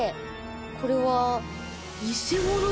これは。